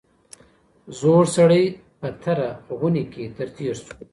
زوړ سړی په تره غونې کي تر تېر سو